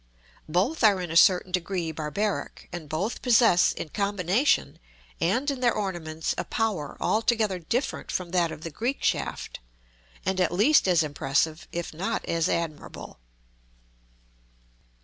Both are in a certain degree barbaric; and both possess in combination and in their ornaments a power altogether different from that of the Greek shaft, and at least as impressive if not as admirable.